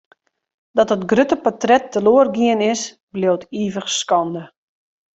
Dat it grutte portret teloar gien is, bliuwt ivich skande.